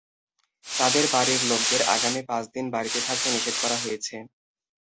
তাঁদের বাড়ির লোকদের আগামী পাঁচ দিন বাড়িতে থাকতে নিষেধ করা হয়েছে।